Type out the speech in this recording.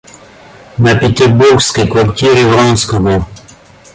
На петербургской квартире Вронского.